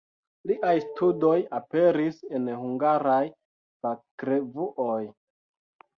Liaj studoj aperis en hungaraj fakrevuoj.